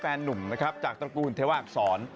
หนุ่มนะครับจากตระกูลเทวาอักษร